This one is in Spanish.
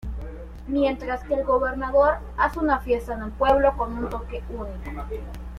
Mientras que el Gobernador hace una fiesta en el pueblo con un toque único.